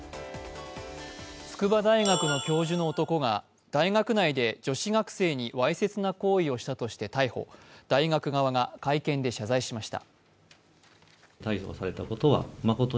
筑波大学の教授の男が大学内で女子学生にわいせつな行為をしたとして逮捕、大学側が会見で謝罪しました。